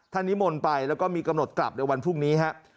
ท่านนิมนธ์ไปแล้วก็มีกำหนดกราบในวันพลุกนี้ฮะ